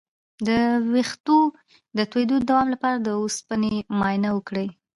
د ویښتو د تویدو د دوام لپاره د اوسپنې معاینه وکړئ